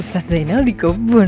ustadz jainal di kebun